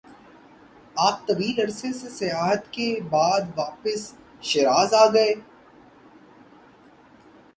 آپ طویل عرصہ سے سیاحت کے بعدواپس شیراز آگئے-